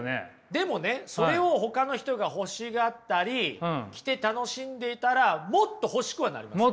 でもねそれをほかの人が欲しがったり着て楽しんでいたらもっと欲しくはなりますよね？